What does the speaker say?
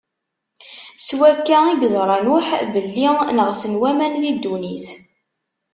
S wakka i yeẓra Nuḥ belli neɣsen waman di ddunit.